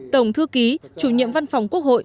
tổng thư ký chủ nhiệm văn phòng quốc hội